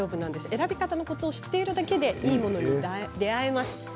選び方のコツを知っているだけでいいものに出会えます。